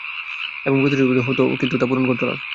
এবং প্রতিশ্রুতিবদ্ধ হত কিন্তু তা পূরণ করত না।